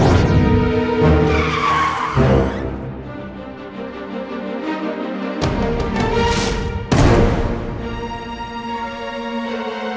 assalamualaikum warahmatullahi wabarakatuh